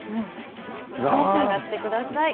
召し上がってください。